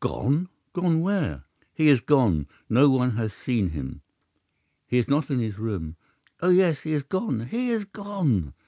"'"Gone! Gone where?" "'"He is gone. No one has seen him. He is not in his room. Oh, yes, he is gone, he is gone!"